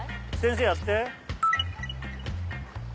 生やって。